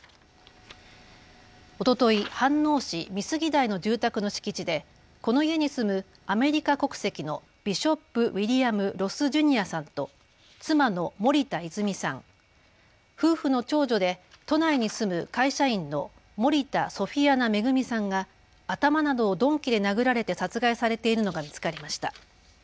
おととい飯能市美杉台の住宅の敷地でこの家に住むアメリカ国籍のビショップ・ウィリアム・ロス・ジュニアさんと妻の森田泉さん、夫婦の長女で都内に住む会社員の森田ソフィアナ恵さんが頭などを鈍器で殴られて殺害されているのが見つかりました。